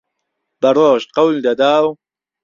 به رۆژ قهول دهدا و